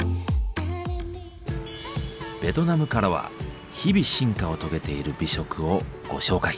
ベトナムからは日々進化を遂げている美食をご紹介。